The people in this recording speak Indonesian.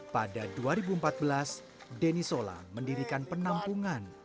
pada dua ribu empat belas deni sola mendirikan penampungan